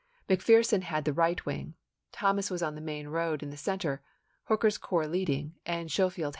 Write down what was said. McPherson had the right wing ; Thomas was on the main road in the center, Hooker's corps leading, and Schofield Vol.